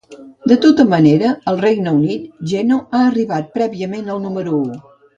De tota manera, al Regne Unit, "Geno" ha arribat prèviament al número u.